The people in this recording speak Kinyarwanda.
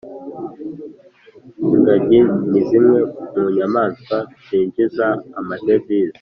Ingagi nizimwe munyamanswa zinjiza amadevizi